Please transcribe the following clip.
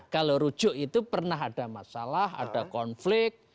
kalau rujuk itu pernah ada masalah ada konflik